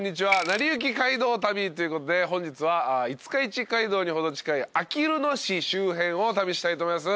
『なりゆき街道旅』ということで本日は五日市街道に程近いあきる野市周辺を旅したいと思います。